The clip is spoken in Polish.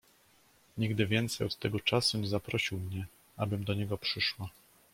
"Nigdy więcej od tego czasu nie zaprosił mnie, abym do niego przyszła."